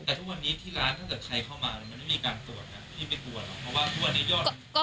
แต่วันนี้ที่ร้านตั้งแต่ใครเข้ามามันไม่มีการตรวจนะพี่ไม่กลัวหรอ